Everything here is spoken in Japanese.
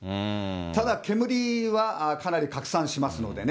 ただ、煙はかなり拡散しますのでね。